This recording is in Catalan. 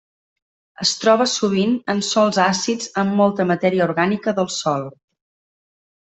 Es troba sovint en sòls àcids amb molta matèria orgànica del sòl.